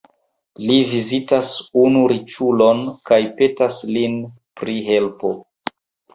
Li vizitas unu riĉulon kaj petas lin pri helpo.